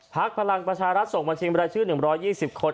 พลังประชารัฐส่งบัญชีบรายชื่อ๑๒๐คน